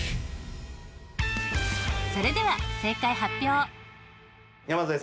それでは正解発表。